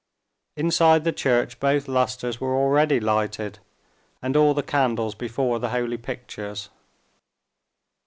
Inside the church both lusters were already lighted, and all the candles before the holy pictures.